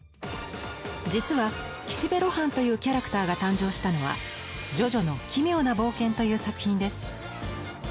実は「岸辺露伴」というキャラクターが誕生したのは「ジョジョの奇妙な冒険」という作品です。